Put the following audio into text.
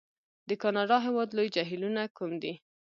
د کانادا د هېواد لوی جهیلونه کوم دي؟